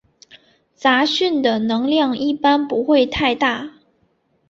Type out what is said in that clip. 杂讯的能量一般不会太大。